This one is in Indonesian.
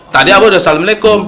tadi abah udah salam alekum